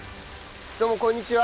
どうもこんにちは。